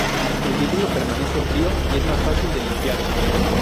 El vidrio permanece frío y es más fácil de limpiar.